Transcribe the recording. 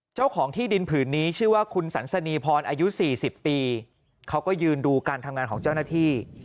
เจ้าของที่ดินผืนนี้ชื่อว่าคุณสันสนีพรอายุ๔๐ปีเขาก็ยืนดูการทำงานของเจ้าหน้าที่